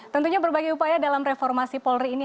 tentunya berbagai upaya dalam reformasi polri ini